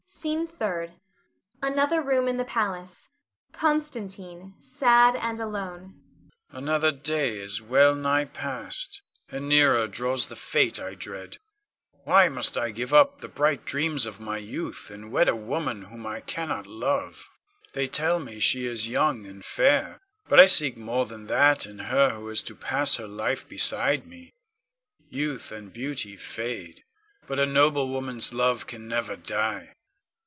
SCENE THIRD. [Another room in the palace. Constantine, sad and alone.] Con. Another day is well nigh passed, and nearer draws the fate I dread. Why must I give up all the bright dreams of my youth, and wed a woman whom I cannot love? They tell me she is young and fair, but I seek more than that in her who is to pass her life beside me. Youth and beauty fade, but a noble woman's love can never die.